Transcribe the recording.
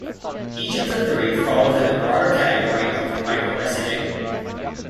Each of the three fall within the broader category of micro-messaging.